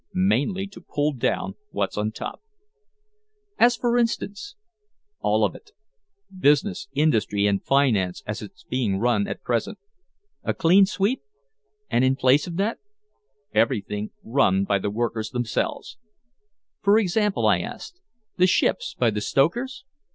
"Mainly to pull down what's on top." "As for instance?" "All of it. Business, industry and finance as it's being run at present." "A clean sweep. And in place of that?" "Everything run by the workers themselves." "For example?" I asked. "The ships by the stokers?"